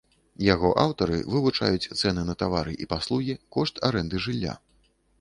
Яго аўтары вывучаюць цэны на тавары і паслугі, кошт арэнды жылля.